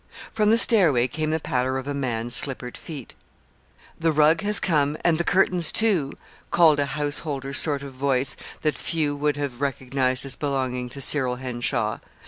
From the stairway came the patter of a man's slippered feet. "The rug has come, and the curtains, too," called a "householder" sort of voice that few would have recognized as belonging to Cyril Henshaw.